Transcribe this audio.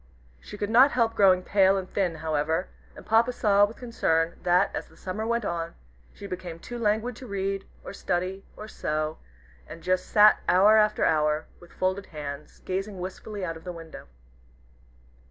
She could not help growing pale and thin however, and Papa saw with concern that, as the summer went on, she became too languid to read, or study, or sew, and just sat hour after hour, with folded hands, gazing wistfully out of the window.